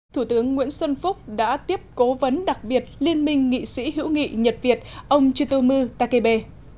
thủ tướng nguyễn xuân phúc đã tiếp cố vấn đặc biệt liên minh nghị sĩ hữu nghị nhật việt ông chitomu takebe